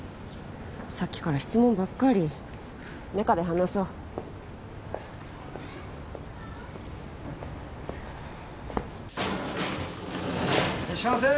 さっきから質問ばっかり中で話そういらっしゃいませー！